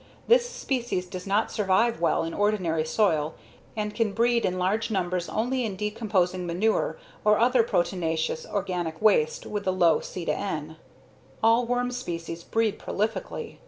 This species does not survive well in ordinary soil and can breed in large numbers only in decomposing manure or other proteinaceous organic waste with a low C/N. All worm species breed prolifically.